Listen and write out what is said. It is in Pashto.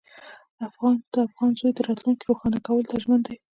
د افغان زوی د راتلونکي روښانه کولو ته ژمن دی.